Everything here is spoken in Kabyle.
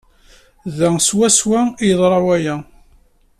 Da swaswa ay yeḍra waya.